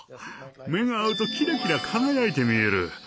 目が合うとキラキラ輝いて見える。